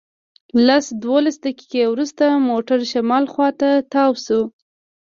لس دولس دقیقې وروسته موټر شمال خواته تاو شو.